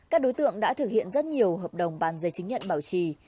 các đối tượng đã thực hiện rất nhiều hợp đồng bán giấy chứng nhận bảo trì